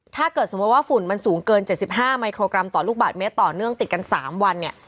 ถ้าเกิดสมมุติว่าฝุ่นมันสูงเกิน๗๕มิโครกรัมต่อลูกบาทเมตรต่อเนื่องติดกัน๓วันเนี่ย